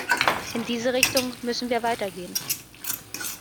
In diese Richtung müssen wir weitergehen.